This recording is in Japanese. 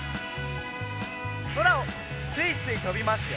そらをすいすいとびますよ。